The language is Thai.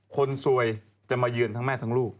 คนสวยจะมาเยือนทั้งแม่ทั้งลูก